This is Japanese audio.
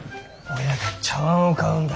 親が茶わんを買うんだ。